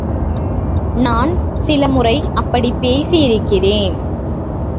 நான் சில முறை அப்படிப் பேசி இருக்கிறேன்.